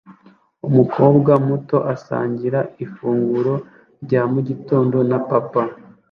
Umukobwa muto asangira ifunguro rya mugitondo na papa